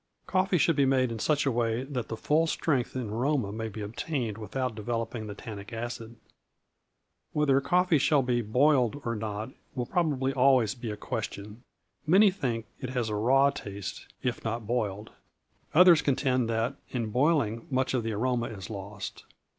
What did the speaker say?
Coffee should be made in such a way that the full strength and aroma may be obtained without developing the tannic acid. Whether coffee shall be boiled or not will probably be always a question. Many think it has a raw taste if not boiled; others contend that, in boiling, much of the aroma is lost.